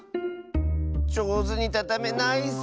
じょうずにたためないッス！